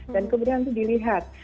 dan kemudian nanti dilihat